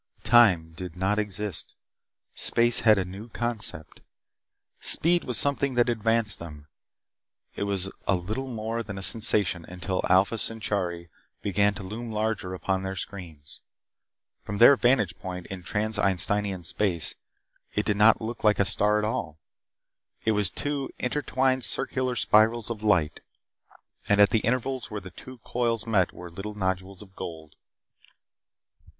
Time did not exist. Space had a new concept. Speed was something that advanced them. It was little more than a sensation until Alpha Centauri began to loom larger upon their screens. From their vantage point in Trans Einsteinian space, it did not look like a star at all. It was two intertwined circular spirals of light, and at the intervals where the two coils met were little nodules of gold.